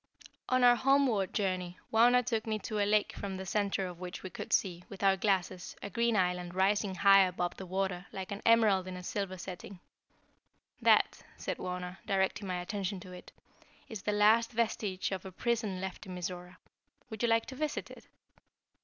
On our homeward journey, Wauna took me to a lake from the center of which we could see, with our glasses, a green island rising high above the water like an emerald in a silver setting. "That," said Wauna, directing my attention to it, "is the last vestige of a prison left in Mizora. Would you like to visit it?"